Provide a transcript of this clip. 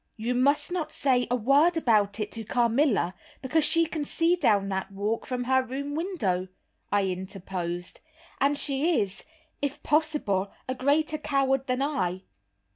"You must not say a word about it to Carmilla, because she can see down that walk from her room window," I interposed, "and she is, if possible, a greater coward than I."